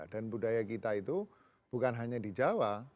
dan budaya kita itu bukan hanya di jawa